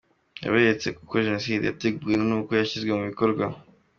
Yaberetse uko Jenoside yateguwe nuko yashyizwe mu bikorwa.